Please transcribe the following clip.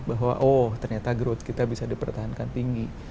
bahwa oh ternyata growth kita bisa dipertahankan tinggi